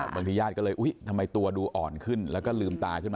บางทีญาติก็เลยอุ๊ยทำไมตัวดูอ่อนขึ้นแล้วก็ลืมตาขึ้นมา